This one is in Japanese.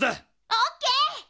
オッケー！